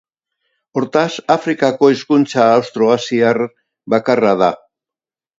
Hortaz, Afrikako hizkuntza austroasiar bakarra da.